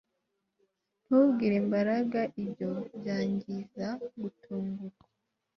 Ntubwire Mbaraga Ibyo byangiza gutungurwa